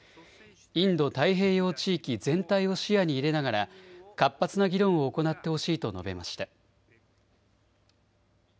インド太平洋地域全体を視野に入れながら活発な議論を行ってほしいと述べました。